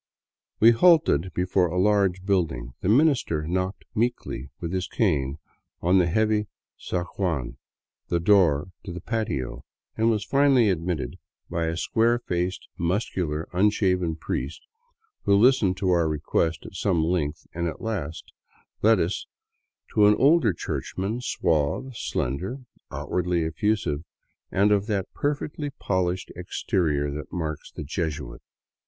We halted before a large building. The Minister knocked meekly with his cane on the heavy zaguan, the door to the patio, and was finally admitted by a square faced, muscular, unshaven priest, who listened to our request at some length and at last led us to an older churchman, suave, slender, outwardly effusive, and of that perfectly polished exterior that marks the Jesuit.